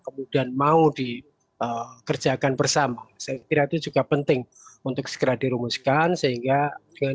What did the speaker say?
kemudian mau dikerjakan bersama saya kira itu juga penting untuk segera dirumuskan sehingga dengan